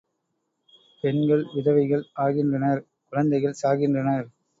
பெண்கள் விதவைகள் ஆகின்றனர் குழந்தைகள் சாகின்றனர்.